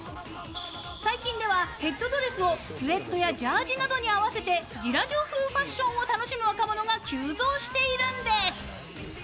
最近ではヘッドドレスをスウェットやジャージーなどに合わせてジラジョ風ファッションを楽しむ若者が急増しているんです。